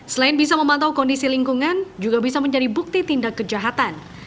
selain bisa memantau kondisi lingkungan juga bisa menjadi bukti tindak kejahatan